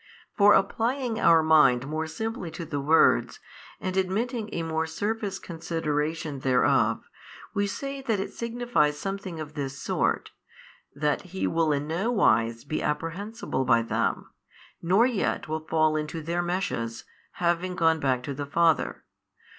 For applying our mind more simply to the words, and admitting a more surface consideration thereof, we say that it signifies something of this sort, that He will in no wise be apprehensible by |540 them, nor yet will fall into their meshes, having gone back to the Father.